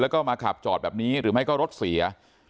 แล้วก็มาขับจอดแบบนี้หรือไม่ก็รถเสีย